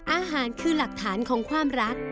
อาหารคือหลักฐานของความรัก